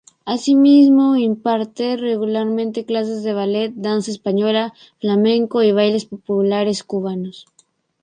Asimismo, imparte regularmente clases de ballet, danza española, flamenco y bailes populares cubanos.